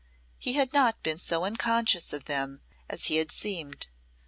He had not been so unconscious of them as he had seemed.